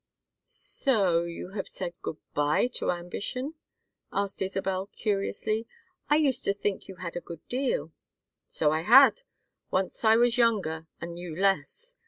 "So you have said good bye to ambition?" asked Isabel, curiously. "I used to think you had a good deal." "So I had. Once I was younger and knew less.